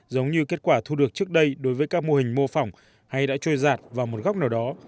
giống như kết quả thu được trước đây đối với các mô hình mô phỏng hay đã trôi giạt vào một góc nào đó